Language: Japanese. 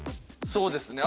そうですね。